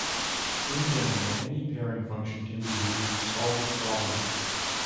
In general any pairing function can be used to solve this problem.